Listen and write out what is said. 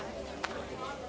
tetapi apabila sudah ter tripod